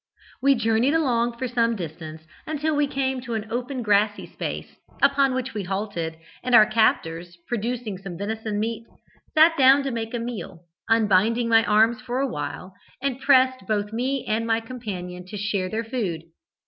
We journeyed along for some distance, until we came to an open grassy space, upon which we halted, and our captors, producing some venison meat, sat down to make a meal, unbinding my arms for a while, and pressed both me and my companion to share their food.